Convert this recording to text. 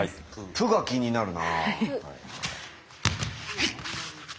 プが気になるな。